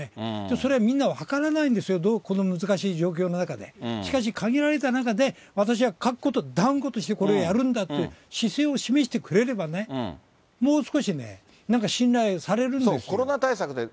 それ、みんな分からないんですよ、どうこの難しい状況の中で、しかし限られた中で、私は断固としてこれをやるんだっていう姿勢を示してくれればね、もう少しね、なんか信頼されるんですよ。